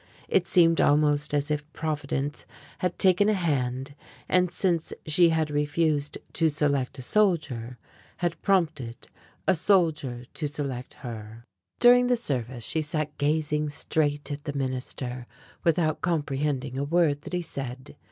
It seemed almost as if Providence had taken a hand and since she had refused to select a soldier, had prompted a soldier to select her. During the service she sat gazing straight at the minister without comprehending a word that he said.